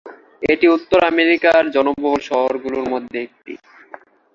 এটি উত্তর আমেরিকার জনবহুল শহরগুলোর মধ্যে একটি।